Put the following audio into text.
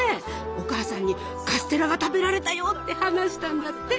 お母さんにカステラが食べられたよって話したんだって。